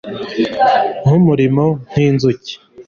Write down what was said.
Nkumurimo nkinzuki